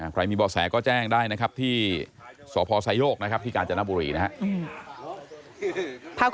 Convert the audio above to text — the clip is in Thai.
ใครมีเบาะแสก็แจ้งได้นะครับที่สพไซโฮกที่กาญจนบุรีนะฮะ